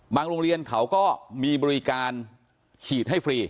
โรงเรียนเขาก็มีบริการฉีดให้ฟรี